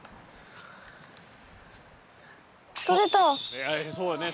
いやそうよね。